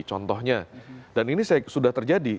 contohnya dan ini sudah terjadi